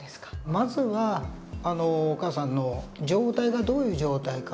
まずはお母さんの状態がどういう状態か。